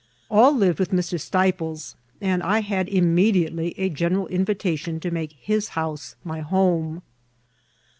All lived with Mr. Steiples; and I had immediately a general invitation to make his house my home.